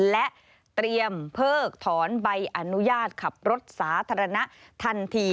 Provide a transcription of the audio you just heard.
และเตรียมเพิกถอนใบอนุญาตขับรถสาธารณะทันที